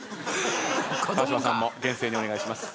川島さんも厳正にお願いします。